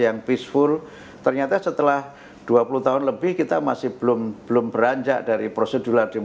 yang peaceful ternyata setelah dua puluh tahun lebih kita masih belum belum beranjak dari prosedur